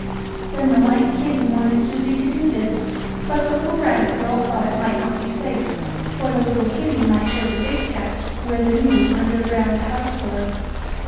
Then the white kittie wanted Susie to do this, but the little rabbit girl thought it might not be safe, for the little kittie might show the big cats where the new underground house was.